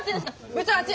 部長あっち！